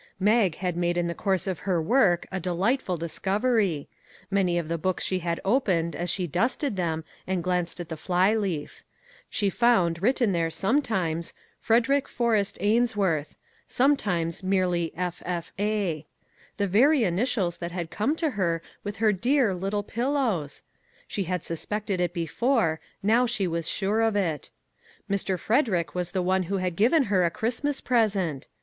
Mag had made in the course of her work a delightful discovery. Many of the books she had opened as she dusted them and glanced at the fly leaf. She found written there some times, " Frederick Forest Ainsworth "; some 55 MAG AND MARGARET times merely " F. F. A." The very initials that had come to her with her dear " Little Pil lows !" She had suspected it before ; now she was sure of it. Mr. Frederick was the one who had given her a Christmas present